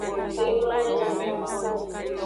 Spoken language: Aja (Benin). De mlonanyi kaba.